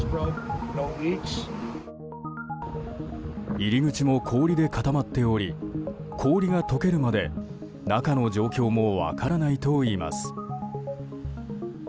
入り口も氷で固まっており氷が解けるまで、中の状況も分からないといいます。